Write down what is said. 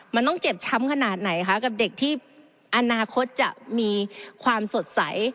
มันต้องเจ็บช้ำขนาดไหนคะกับเด็กที่อนาคตจะมีความสดใส